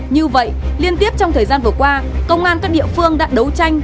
như vậy liên tiếp trong thời gian vừa qua công an các địa phương đã đấu tranh